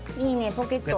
ポケット。